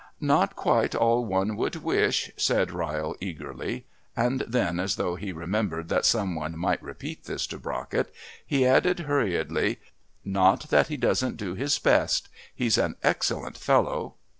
"Not quite all one would wish," said Ryle eagerly and then, as though he remembered that some one might repeat this to Brockett, he added hurriedly, "Not that he doesn't do his best. He's an excellent fellow.